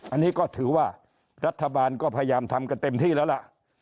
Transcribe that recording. อันนี้ก็ถือว่ารัฐบาลก็พยายามทำกันเต็มที่แล้วล่ะ